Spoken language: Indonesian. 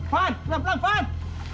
van pelan pelan van